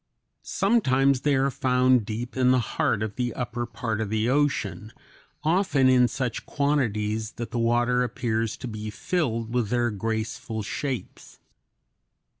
Sometimes they are found deep in the heart of the upper part of the ocean, often in such quantities that the water appears to be filled with their graceful shapes.